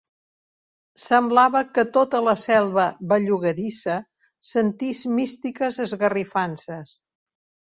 Semblava que tota la selva bellugadissa sentís místiques esgarrifances